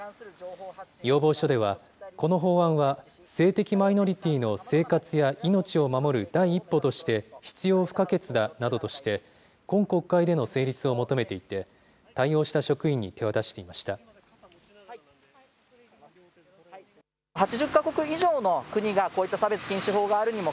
要望書では、この法案は、性的マイノリティーの生活や命を守る第一歩として必要不可欠だなどとして、今国会での成立を求めていて、対応した職員に手渡していました。